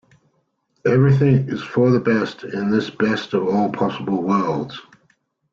Everything is for the best in this best of all possible worlds.